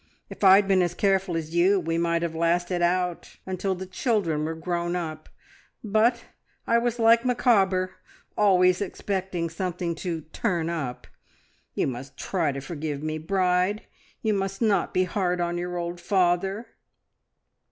If I'd been as careful as you, we might have lasted out until the children were grown up, but I was like Micawber always expecting something to `turn up.' You must try to forgive me, Bride. You must not be hard on your old father!"